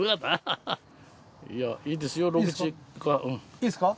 いいですか？